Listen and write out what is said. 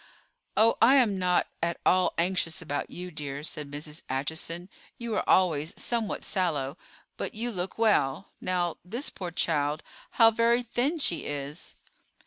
"Oh, I am not at all anxious about you, dear," said Mrs. Acheson. "You are always somewhat sallow, but you look well. Now, this poor child—how very thin she is!"